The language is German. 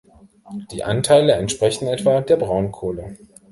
Die Anteile entsprechen etwa der Braunkohle.